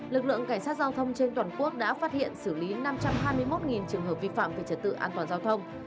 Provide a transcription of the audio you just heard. lực lượng cảnh sát giao thông trên toàn quốc đã phát hiện xử lý năm trăm hai mươi một trường hợp vi phạm về trật tự an toàn giao thông